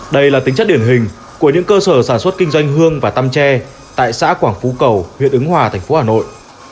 đây là tính chất điển hình của những cơ sở sản xuất kinh doanh hương và tăm tre tại xã quảng phú cầu huyện ứng hòa thành phố hà nội